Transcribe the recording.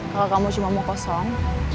kalau kamu cuma mau kosong